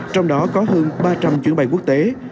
trong đó có hơn ba trăm linh chuyến bay quốc tế